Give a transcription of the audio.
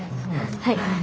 はい。